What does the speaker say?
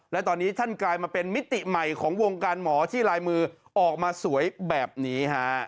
และตอนนี้ท่านกลายมาเป็นมิติใหม่ของวงการหมอที่ลายมือออกมาสวยแบบนี้ฮะ